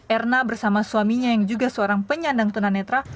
erna bersama suaminya yang juga seorang penyandang tuna netra